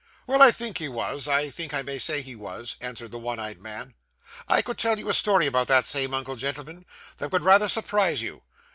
'Well, I think he was; I think I may say he was,' answered the one eyed man. 'I could tell you a story about that same uncle, gentlemen, that would rather surprise you.